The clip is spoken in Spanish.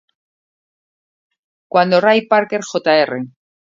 Cuando Ray Parker Jr.